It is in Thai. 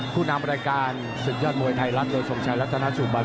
ผู้นำบริการศึกษามวยไทยรัฐโดยชนชายรัฐชนาสุบัญ